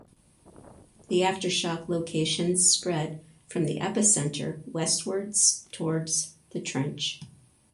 The aftershock locations spread from the epicenter westwards towards the trench.